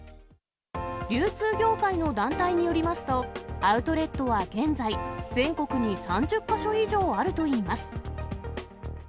流通業界の団体によりますと、アウトレットは現在、全国に３０か所以上あるといいます。